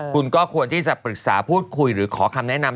คุณก็ควรที่จะปรึกษาพูดคุยหรือขอคำแนะนำ